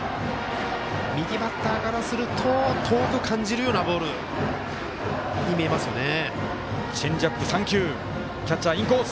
右バッターからすると遠く感じるようなボールに見えますよね。